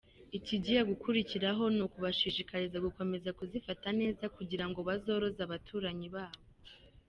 Ikigiye gukurikira ni ukubashishikariza gukomeza kuzifata neza kugira ngo bazoroze abaturanyi babo.